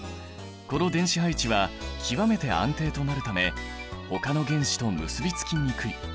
この電子配置は極めて安定となるためほかの原子と結びつきにくい。